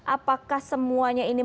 apakah semuanya ini